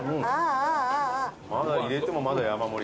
入れてもまだ山盛り。